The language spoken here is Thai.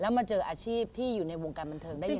มาเจออาชีพที่อยู่ในวงการบันเทิงได้ยังไง